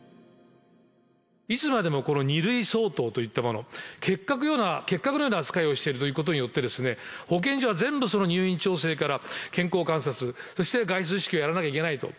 いつまでもこの２類相当といったもの、結核のような扱いをしていることによって、保健所は全部、その入院調整から健康観察、そして外出自粛をやらなきゃいけないと。